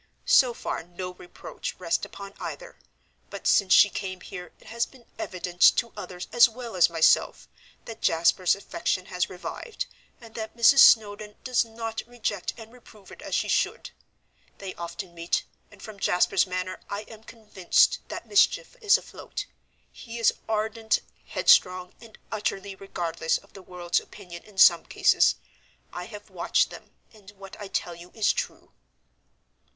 So far no reproach rests upon either, but since she came here it has been evident to others as well as myself that Jasper's affection has revived, and that Mrs. Snowdon does not reject and reprove it as she should. They often meet, and from Jasper's manner I am convinced that mischief is afloat. He is ardent, headstrong, and utterly regardless of the world's opinion in some cases. I have watched them, and what I tell you is true."